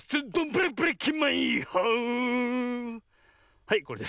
はいこれです。